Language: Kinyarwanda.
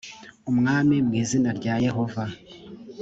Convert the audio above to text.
umwami mu izina rya yehova